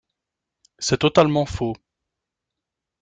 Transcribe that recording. C’est totalement faux.